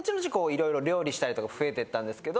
色々料理したりとか増えてったんですけど。